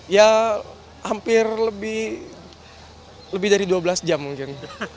ya hampir lebih dari dua belas jam mungkin